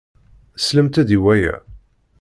Slemt-d i waya!